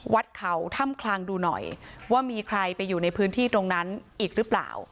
วัดเขาถ้ำคลังดูหน่อยว่ามีใครไปอยู่ในพื้นที่ตรงนั้นอีกหรือเปล่า